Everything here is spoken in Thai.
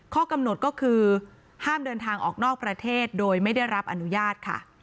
ข้อกำหนดก็คือห้ามเดินทางออกนอกประเทศโดยไม่ได้รับอนุญาตค่ะ